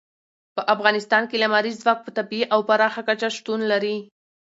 په افغانستان کې لمریز ځواک په طبیعي او پراخه کچه شتون لري.